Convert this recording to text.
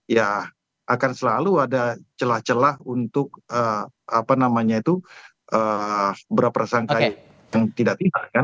ya akan selalu ada celah celah untuk berpersangkai yang tidak tindakan